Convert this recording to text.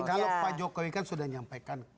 kalau pak jokowi kan sudah menyampaikan